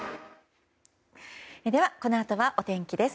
では、このあとはお天気です。